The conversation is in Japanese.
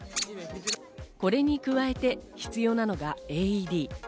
これに加えて必要なのがＡＥＤ。